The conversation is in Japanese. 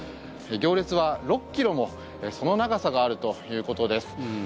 行列は６ｋｍもその長さがあるということです。